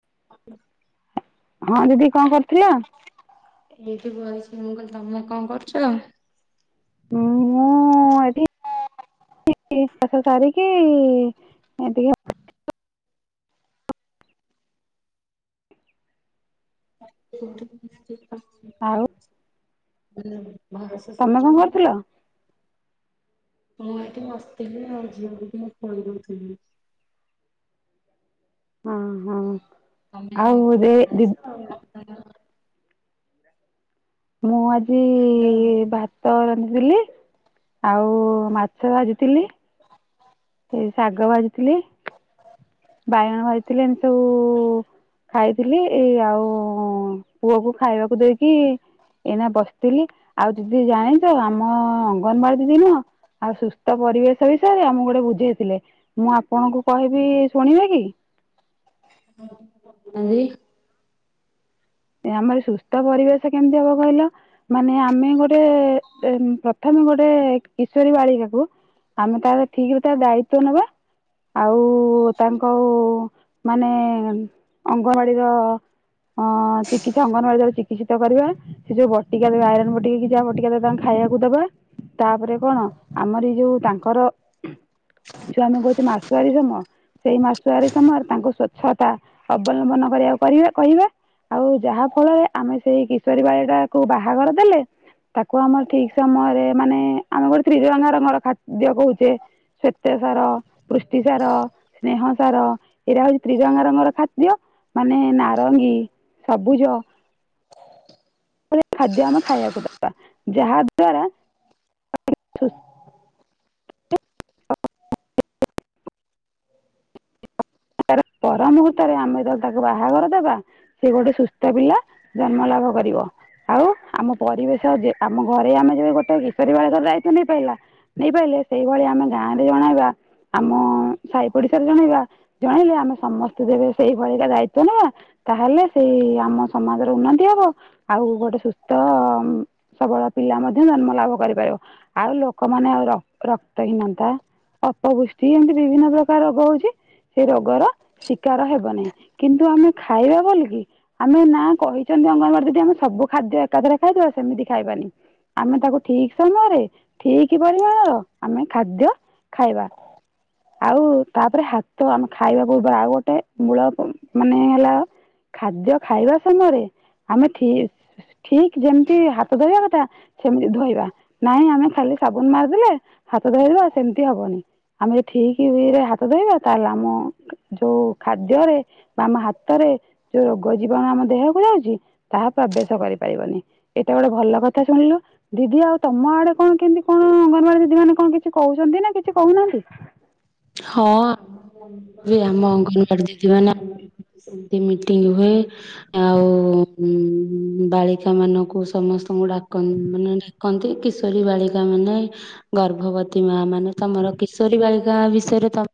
[unintelligible] ହଁ ଦିଦି କଣ କରୁଥିଲ? ଏଇଠି ବଇଛି ମୁଁ କହିଲ ତମେ କଣ କରୁଛ? ହଁଁ ମୁଁ ଏଠି [unintelligible] ସାରିକି ଏତି [inaudible] ଆଉ ତମେ କଣ କରୁଥିଲ? [unintelligible] ମୁଁ ଏଠି ବସିଥିଲି ଆଉ ଝିଅ ହରିକା ସୋଇପଡିଛନ୍ତି। ହଁ ହଁ। ତମେ ଆଉ ଦେ କଣ ଦି ଖାଇଛ? [unintelligible] ମୁଁ ଆଜି ଭାତ [unintelligible] ଆଉ ମାଛ ଭାଜିଥିଲି ଏଇ ଶାଗ ଭାଜିଥିଲି ବାଇଗଣ ଭାଜିଥିଲି ଏମତି ସବୁ ଖାଇଥିଲି ଏଇ ଆଉ ପୁଅକୁ ଖାଇବାକୁ ଦେଇକି ଏଇନା ବସିଥିଲି ଆଉ ଦିଦି ଜାଣିଛ ଆମ ଅଙ୍ଗନବାଡି ଦିଦି ନୁହଁ ଆଉ ସୁସ୍ଥ ପରିବେଶ ବିଷୟରେ ଆମକୁ ଗୋଟେ ବୁ ବୁଝେଇଥିଲେ ମୁଁ ଆପଣଙ୍କୁ କହିବି ଶୁଣିବେ କି? ଆଜି ଆମର ସୁସ୍ଥ ପରିବେଶ କେମିତି ହବ କହିଲ ମାନେ ଆମେ ଗୋଟେ ପ୍ରଥମ ଗୋଟେ କିଶୋରୀ ବାଳିକା କୁ ଆମେ ତାର ଠିକ ଦାୟିତ୍ଵ ନେବା ଆଉ ତାଙ୍କ ମାନେ ଅଙ୍ଗବାଡିର ହଁ! ଚିକିସିତ ଅଙ୍ଗନବାଡି ଦାର ଚିକିତ୍ତ କରିବା ସେ ଯୋଉ ବଟିକା ଦେବା। ଆଇରନ ବଟିକ କି ଯାହା ବଟିକା ଦେବା, ତାେ ଖାଇବାକୁ ଦବା ତାପରେ କଣ ଆମର ଏଇ ଯୋଉ ତାଙ୍କର ଯୋଉ ଆମେ କହୁଛେ ମାସୁଆରୀ ସମୟ ସେଇ ମାସୁଆରୀ ସମୟରେ ତାଙ୍କୁ ସ୍ଵଚ୍ଛତା ଅବଲମ୍ବନ ଉ କରିବା କହିବା ଆଉ ଯାହା ଫଳରେ ଆମେ ସେଇ କିଶୋରୀ ବାଡ଼ି ଟାକୁ ବାହାଘର ଦେଲେ ତାକୁ ଆମର ଠିକ ସମୟରେ ମାନେ ଆମେ ଗୋଟେ ତ୍ରିଜଣଙ୍ଗା ରଙ୍ଗର ଖାଦ କହୁଛେ ଶ୍ଵେତ ସାର ପୃଷ୍ଟି ସାର ସ୍ନେହ ସାର ଏଇଟା ହଉଛି, ତ୍ରିରଙ୍ଗା ରଙ୍ଗର ଖାଦ୍ୟ ମାନେ ନାରଙ୍ଗୀ ସବୁଜ ଖାଦ୍ୟ ଆମେ ଖାଇବାକୁ ଦେବା ଯାହା ଦ୍ଵାରା [unintelligible] ତାର ପର ମୁହୂର୍ତ୍ତରେ ଆମେ ତ ତାକୁ ବାହାଘର ଦେବା, ସେ ଗୋଟେ ସୁସ୍ଥ ପିଲା ଜନ୍ମ ଲାଗ କରିବ। ଆଉ ଆମ ପରିବେଶ ଆମ ଘରେ ଆମେ ଯ ଗୋଟେ କିଶୋରୀ ବାଳ ଘରାଇ ତ ନେଇ ପାରି ନେଇପାରିଲେ ସେଇଭଳି ଆମେ ଗାଁରେ, ଜଣେଇବା ଆମ ସାହି ପଡିଶାରେ ଜଣେଇବା। ଜଣେଇଲେ ଆମେ ସମସ୍ତେ ଯେବେ ସେଇଭଳିଟା ଦାୟିତ୍ଵ ନେବା, ତାହେଲେ ସେଇ ଆମ ସମାଜର ଉନ୍ନତି ହବ। ଆଉ ଗୋଟେ ସୁସ୍ଥ ସବଳ ପିଲା ମଧ୍ୟ ଜନ୍ମ ଲାଭ କରିପାରିବ, ଆଉ ଲ ଲୋକମାନେ ଆଉ ରକ୍ତ ହୀନତା ଅପବୃଷ୍ଟି ଏମିତି ବିଭିନ୍ନ ପ୍ରକାର ରୋଗ ହଉଛି। ସେ ରୋଗର ଶିକାର ହେବନି କାରଣ କିନ୍ତୁ ଆମେ ଖାଇବା ବୋଲିକି ଆମେ ନା କହିଛନ୍ତି। ମଙ୍ଗଳବାର ଦିନ ସବୁ ଖାଦ୍ୟ ଏକାଧରେ ଖାଇଦବା ସେମିତି ଖାଇବାନି। ଆମେ ତାକୁ ଠିକ ସମୟରେ ଠିକ ପରିମାଣର ଆମ ଖାଦ୍ୟ ଖାଇବା ଆଉ ତାପରେ ହାତ ତ ଆମେ ଖାଇବାକୁ ବା ଆଉ ଗୋଟେ ମୂଳ ମାନେ ହେଲା। ଖାଦ୍ୟ ଖାଇବା ସମୟରେ ଆମେ ଠିକ୍ ଯେମିତି ହାତ ଧୋଇବା କଥା ସେମିତି ଧୋଇବା ନାଇଁ ଆମେ ଖାଲି ସାବୁନ ମାରିଦେଲେ ହାତ ଧୋଇଦବା ସେମିତି ହବନି, ଆମେ ଠିକ ରେ ହାତ ଧୋଇବା ତାହେଲେ ଆମ ଯୋଉ ଖାଦ୍ୟରେ ବା ଆମ ହାତରେ ଯୋଉ ରୋଗ ଜୀବାଣୁ ଆମ ଦେହକୁ ତାହା ପ୍ରବେଶ କରିପାରିବନି ଏଟା ଗୋଟେ ଭଲ କଥା ଶୁଣିଲୁ ଦିଦି ଆଉ ତମ ଆଡେ କଣ କେମିତି କଣ ଅଙ୍ଗନବାଡି ଦିଦି ମାନେ କଣ କିଛି କହୁଛନ୍ତି, ନା କିଛି କହୁନାହାନ୍ତି? ହଁ ଏ ଆମ ଅଙ୍ଗନବାଡି ଦିଦି ମାନେ ସେମତି ମିଟିଂ ହୁଏ ଆଉ ବାଳିକା ମାନଙ୍କୁ ସମ ସ୍ତଙ୍କୁ ମାନେ ଡାନ୍ତି କିଶୋରୀ ବାଳିକା ମାନେ ଗର୍ଭବତୀ ମା ମାନେ ତ ଆମର କିଶୋରୀ ବାଳିକା ବିଷୟରେ ତ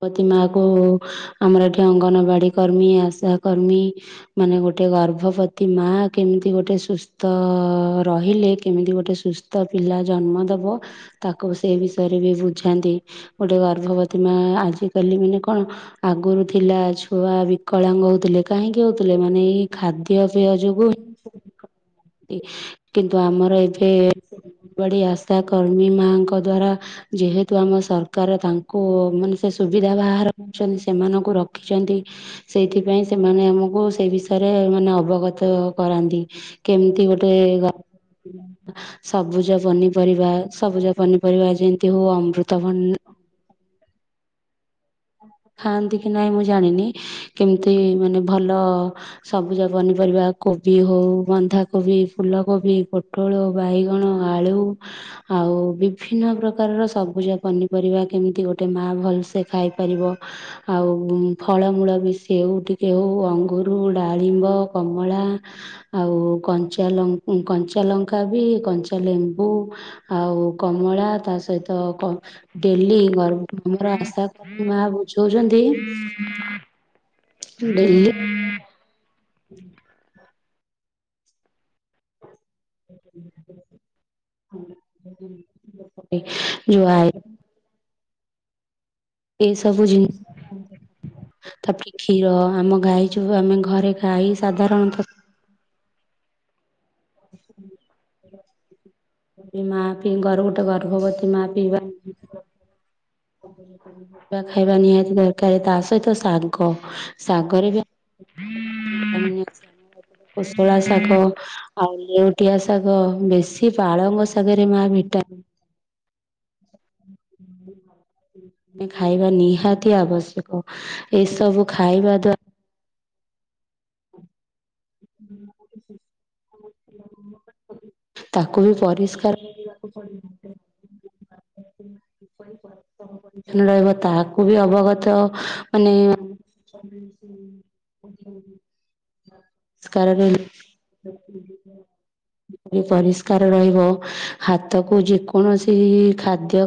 ପପତି ମା କୁ ଆମର ଏଠି ଅଙ୍ଗନବାଡି କର୍ମୀ ଆଶା କର୍ମୀ ମାନେ ଗୋଟେ ଗର୍ଭବତୀ ମା କେମିତି ଗୋଟେ ସୁସ୍ଥ ରହିଲେ, କେମିତି ଗୋଟେ ସୁସ୍ଥ ପିଲା ପିଲା ଜନ୍ମ ଦବ ତାକୁ ସେ ବିଷୟ ପରେ ବି ବୁଝାନ୍ତି, ଗୋଟେ ଗର୍ଭବତୀ ମା ଆଜିକାଲି ମାନେ କଣ ଆଗରୁ ଥିଲା ଛୁଆ ବିକଳାଙ୍ଗ ହଉଥିଲେ କାହିଁକି ହଉଥିଲେ, ମାନେ ଏଇ ଖାଦ୍ୟ ପେୟ ଯୋଗୁ କିନ୍ତୁ ଆମର ଏବେ ବଡି ଆଶା କର୍ମୀ ମାଙ୍କ ଦ୍ଵାରା ଯେହେତୁ ଆମ ସରକାର ତାଙ୍କୁ ମାନେ ସେ ସୁବିଧା ବାହାକରିଛନ୍ତି। ସେମାନଙ୍କୁ ରଖିଛନ୍ତି। ସେଇଥିପାଇ ସେମାନେ ଆମକୁ ସେ ବିଷୟରେ ମାନେ ଅବଗତ କରାନ୍ତି, କେମତି କେମିତି ଗୋଟେ ସବୁଜ ପନିପରିବା ସବୁଜ ପନିପରିବା ଯେତି ଦେହ ଅମୃତଭନ ଖାଆନ୍ତି କି ନାଇଁ ମୁଁ ଜାଣିନି, କେମିତି ମାନେ ଭଲ ସବୁଜ ପନି ପରିବା କୋବି ହଉ, ବନ୍ଧାକୋବି, ଫୁଲକୋବି, ପୋଟଳ, ବାଇଗଣ, ଆଳୁ ଆଉ ବିଭିନ୍ନ ପ୍ରକାରର ସବୁଜ ପନିପରିବା, କେମିତି ଗୋଟେ ମା ଭଲସେ ଖାଇପାରିବ ଆଉ ଫଳମୂଳ ବି ସେଉ ଟିକେ ହେଉ, ଅଙ୍ଗରୁ, ଡାଳିମ୍ବ କମଳା ଆଉ କଞ୍ଚାଲ କଞ୍ଚା ଲଙ୍କା ବି କଞ୍ଚା ଲେମ୍ବୁ [unintelligible] ଆଉ କମଳା ତା ସହିତ କ ଡେଲି ଗ ଆମର ଆଶା କରମୀ ମା ବୁଝଉଛନ୍ତି ଡେଲି [unintelligible] ଯୁ ଆଇ ଏସବୁ ଜିନି ତାପରେ କ୍ଷୀର ଆମ ଗାଈ ଯୋଉ ଆମେ ଘରେ ଗାଈ ସାଧାରଣତଃ ମା ପିଇ ଘରୁ ଗୋଟେ ଗର୍ଭବତୀ ମା ପିଇବା। ପନିପରିବା ଖାଇବା ନିହାତି ଦରକାର ତା ସହିତ ଶାଗ ଶାଗରେ ବି ଆମ କୋଶଳା ଶାଗ ଆଉ ଲେଉଟିଆ ଶାଗ ବେଶି ପାଳଙ୍ଗଶାଗରେ ମା ଭିଟାମିନ ପନିପରିବା ଖାଇବା ନିହାତି ଆବଶ୍ୟକ ଏସବୁ ଖାଇବା ଦ୍ଵାରା [inaudible] ତାକୁ ବି ପରିଷ୍କାର କରିବାକୁ ପଡିବ ଯେ ପରିଛନ୍ନ ରହିବ ତାହାକୁ ବି ଅବଗତ ମାନେ ପରିଷ୍କାର କରି ରି ପରିଷ୍କାର ରହିବ ହାତକୁ ଯେକୌଣସି ଖାଦ୍ୟ